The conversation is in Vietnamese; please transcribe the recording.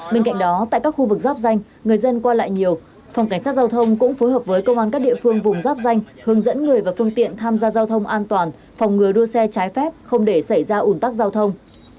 bên cạnh đó tại các khu vực giáp danh người dân qua lại nhiều phòng cảnh sát giao thông cũng phối hợp với công an các địa phương vùng giáp danh hướng dẫn người và phương tiện tham gia giao thông an toàn phòng ngừa đua xe trái phép không để xảy ra ủn tắc giao thông